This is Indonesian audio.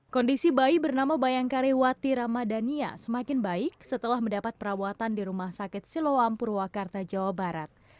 kondisi bayi bernama bayangkari wati ramadhania semakin baik setelah mendapat perawatan di rumah sakit siloam purwakarta jawa barat